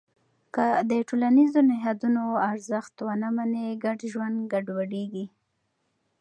که د ټولنیزو نهادونو ارزښت ونه منې، ګډ ژوند ګډوډېږي.